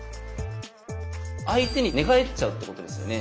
相手に寝返っちゃうってことですよね。